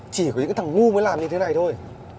chỉ có những thằng ngu mới làm như thế này thôi